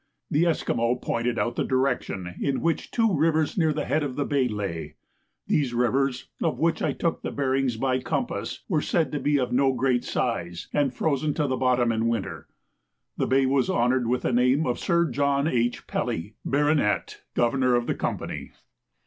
The Esquimaux pointed out the direction in which two rivers near the head of the bay lay. These rivers, of which I took the bearings by compass, were said to be of no great size, and frozen to the bottom in winter. The bay was honoured with the name of Sir John H. Pelly, Bart., Governor of the Company.